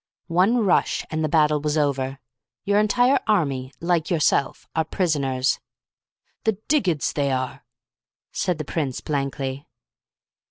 One rush and the battle was over. Your entire army, like yourself, are prisoners." "The diggids they are!" said the Prince blankly.